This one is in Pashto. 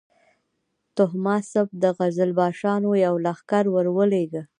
تهماسب د قزلباشانو یو لښکر ورولېږه.